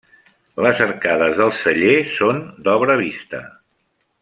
Les arcades del celler són d'obra vista.